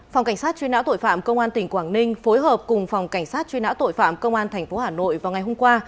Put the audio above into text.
phòng cảnh sát truy nã tội phạm công an tỉnh quảng ninh phối hợp cùng phòng cảnh sát truy nã tội phạm công an tp hà nội vào ngày hôm qua